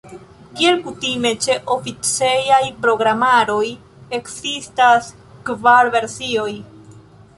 Kiel kutime ĉe oficejaj programaroj, ekzistas kvar versioj.